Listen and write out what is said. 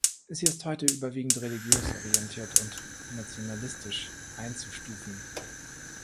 Sie ist heute überwiegend religiös orientiert und nationalistisch einzustufen.